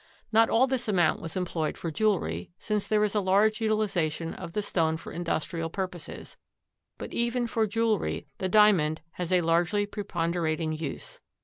Not all this amount was employed for jewelry, since there is a large utilization of the stone for industrial purposes, but even for jewelry the Diamond has a largely preponderating use.